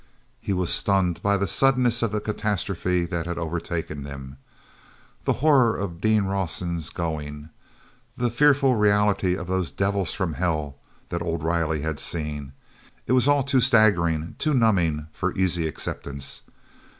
He was stunned by the suddenness of the catastrophe that had overtaken them. The horror of Dean Rawson's going; the fearful reality of those "devils from hell" that old Riley had seen—it was all too staggering, too numbing, for easy acceptance.